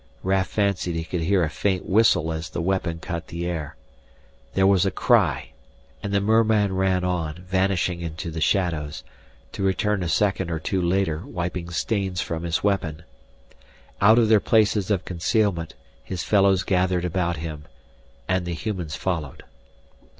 Raf fancied he could hear a faint whistle as the weapon cut the air. There was a cry, and the merman ran on, vanishing into the shadows, to return a second or two later wiping stains from his weapon. Out of their places of concealment, his fellows gathered about him. And the humans followed.